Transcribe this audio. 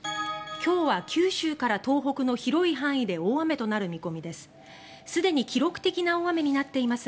今日は九州から東北の広い範囲で大雨となる見込みです。